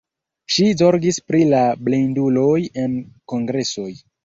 Ŝi zorgis pri la blinduloj en kongresoj.